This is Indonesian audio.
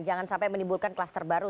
jangan sampai menimbulkan kluster baru